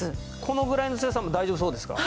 このぐらいの強さも大丈夫そうですか？